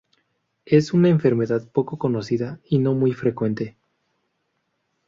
Es una enfermedad poco conocida, y no muy frecuente.